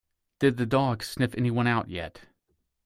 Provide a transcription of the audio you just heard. Did the dog sniff anyone out yet?